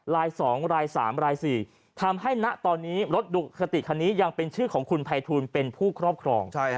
ราย๒ราย๓ราย๔ทำให้ณตอนนี้รถดุสติคันนี้ยังเป็นชื่อของคุณภัยทูลเป็นผู้ครอบครอง